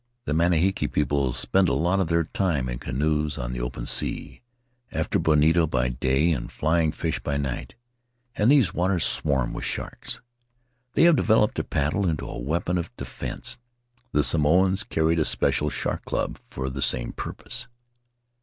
The Manihiki people spend a lot of their time in canoes on the open sea — after bonito by day and flying fish by night — and those waters swarm with sharks. They have developed their paddle into a weapon of defence. The Samoans carried a special shark club for the same purpose."